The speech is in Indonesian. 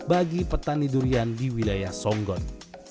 bagi petani durian di wilayah songgon